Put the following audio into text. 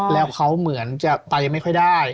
แล้วเขาเหมือนจะไปไม่ค่อยได้